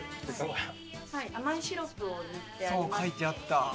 そう書いてあった。